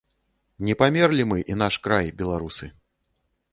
Не памерлі, і мы і наш край, беларусы!